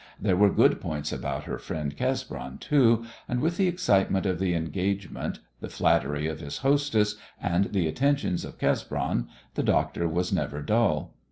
There were good points about her friend Cesbron, too, and, with the excitement of the engagement, the flattery of his hostess, and the attentions of Cesbron, the doctor was never dull.